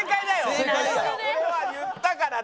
俺は言ったから。